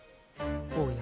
おや？